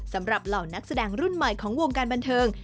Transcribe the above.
เหล่านักแสดงรุ่นใหม่ของวงการบันเทิง